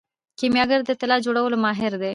کیمیاګر د طلا جوړولو ماهر دی.